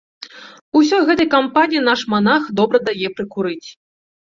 Усёй гэтай кампаніі наш манах добра дае прыкурыць.